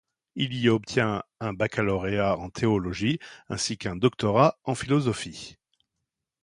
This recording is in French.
Il y obtient un baccalauréat en théologie ainsi qu'un doctorat en philosophie.